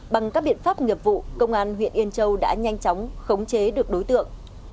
bằng các biện pháp nghiệp vụ công an huyện yên châu đã nhanh chóng khống chế được đối tượng